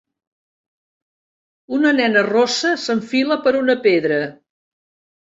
Una nena rossa s'enfila per una pedra.